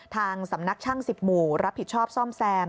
ทางสำนักช่าง๑๐หมู่รับผิดชอบซ่อมแซม